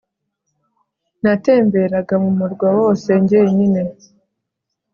natemberaga m'umurwa wose njyenyine